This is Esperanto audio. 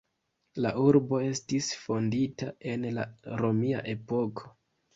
La urbo estis fondita en la romia epoko.